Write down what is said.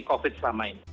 covid selama ini